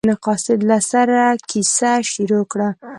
قاصد له سره کیسه شروع کړله.